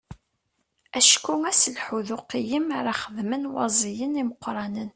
Acku aselḥu d uqeyyem ara xedmen waẓiyen imeqqranen.